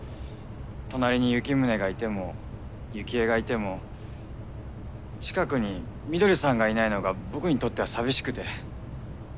隣にユキムネがいてもユキエがいても近くに翠さんがいないのが僕にとっては寂しくて。